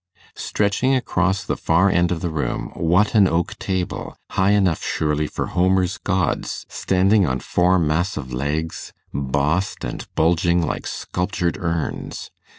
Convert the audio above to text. Stretching across the far end of the room, what an oak table, high enough surely for Homer's gods, standing on four massive legs, bossed and bulging like sculptured urns!